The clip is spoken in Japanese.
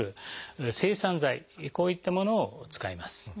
こういったものを使います。